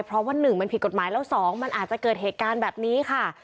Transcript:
เพราะว่า๑มันผิดกฎหมายแล้ว๒มันอาจจะเกิดเหตุการณ์แบบนี้ค่ะ